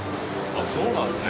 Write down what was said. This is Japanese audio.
あっそうなんですね。